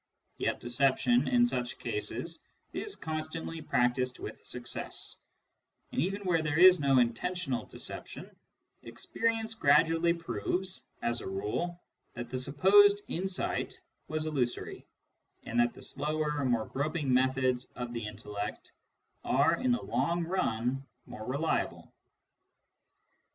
Yet deception in such cases is constantly practised with success ; and even where there is no intentional deception, experience gradually proves, as a rule, that the supposed insight was illusory, and that the slower, more groping methods of the intellect are in the long run more reliable.